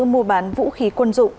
mua bán vũ khí quân dụng